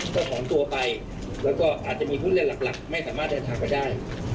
ก็ถอนตัวไปแล้วก็อาจจะมีผู้เล่นหลักไม่สามารถเดินทางไปได้